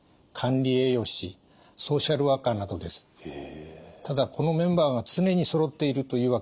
ただこのメンバーが常にそろっているというわけではありません。